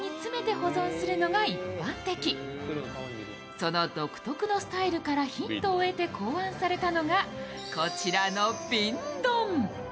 その独特のスタイルからヒントを得て考案されたのがこちらの、瓶ドン。